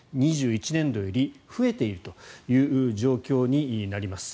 ２１年度より増えているという状況になります。